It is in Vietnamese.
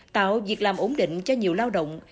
tạo việc làm ổn định cho nhiều lao động